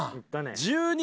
１２